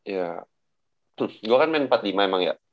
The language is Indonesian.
ya tuh gua kan main empat lima emang ya